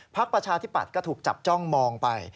ประชาธิปัตย์ก็ถูกจับจ้องมองไป